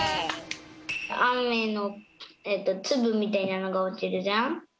あめのつぶみたいなのがおちるじゃん。